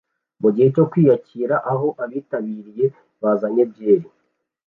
mugihe cyo kwiyakira aho abitabiriye bazanye byeri